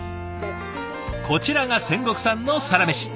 こちらが仙石さんのサラメシ。